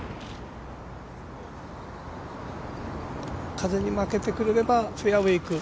風に負けてくれればフェアウエー行く。